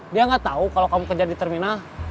dia gak tau kalau kamu kerja di terminal